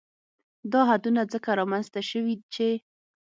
دا حدونه ځکه رامنځ ته شوي چې